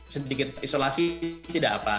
sedikit isolasi tidak apa